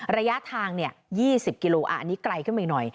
ระยะทาง๒๐กิโลอันนี้ไกลขึ้นไปหน่อย